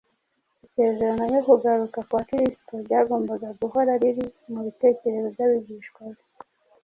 Isezerano ryo kugaruka kwa Kristo ryagombaga guhora riri mu bitekerezo by’abigishwa be.